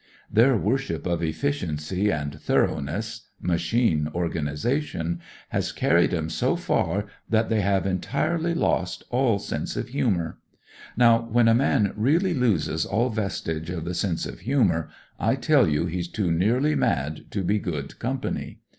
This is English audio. "Their worship of efficiency and A COOL CANADIAN 167 thoroughness — ^machine organisation — ^has carried *em so far that they have entirely lost all sense of humour. Now, when a man really loses all vestige of the sense of humour, I tell you he's too nearly mad to be good company.